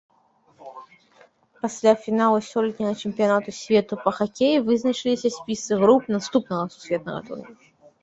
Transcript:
Пасля фіналу сёлетняга чэмпіянату свету па хакеі вызначыліся спісы груп наступнага сусветнага турніру.